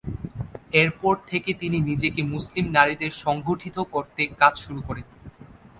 এরপর থেকে তিনি নিজেকে মুসলিম নারীদের সংগঠিত করতে কাজ শুরু করেন।